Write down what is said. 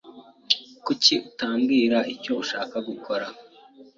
Kuki utambwira icyo ushaka gusa?